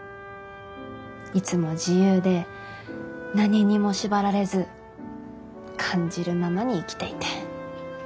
いつも自由で何にも縛られず感じるままに生きていて。